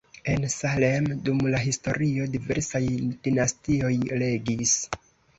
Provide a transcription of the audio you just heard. En Salem dum la historio diversaj dinastioj regis.